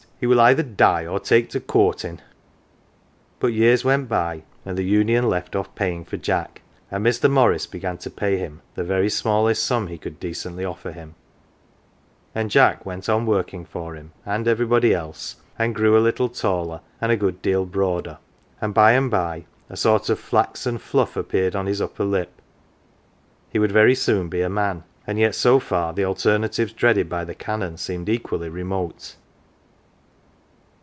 He will either die or take to ' coortin 1 !'' But years went by, and the Union left off' paying for Jack, and Mr. Morris began to pay him the very smallest sum he could decently offer him, and Jack went on working for him and everybody else, and grew a little taller and a good deal broader ; and by and by a sort of flaxen fluff' appeared on his upper lip. He would very soon be a man ; and yet so far the alternatives dreaded by the Canon seemed equally remote.